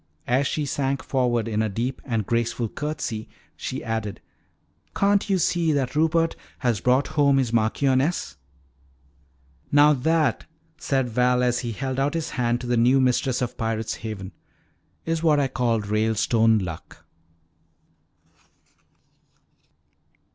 As she sank forward in a deep and graceful curtsy she added, "Can't you see that Rupert has brought home his Marchioness?" "Now that," said Val, as he held out his hand to the new mistress of Pirate's Haven, "is what I call 'Ralestone Luck.'"